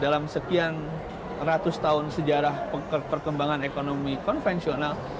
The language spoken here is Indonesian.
dalam sekian ratus tahun sejarah perkembangan ekonomi konvensional